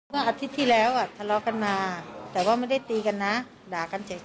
อาทิตย์ที่แล้วอ่ะทะเลาะกันมาแต่ว่าไม่ได้ตีกันนะด่ากันเสร็จ